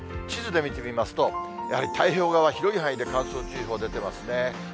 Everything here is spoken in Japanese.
地図で見てみますと、やはり太平洋側、広い範囲で乾燥注意報、出てますね。